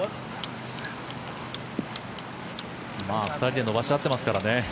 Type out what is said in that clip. ２人で伸ばし合っていますからね。